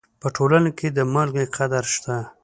په ټولنه کې د مالګې قدر شته.